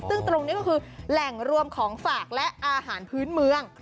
ซึ่งตรงนี้ก็คือแหล่งรวมของฝากและอาหารพื้นเมือง